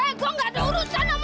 eh gua ga ada urusan sama lu